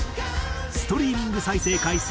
ストリーミング再生回数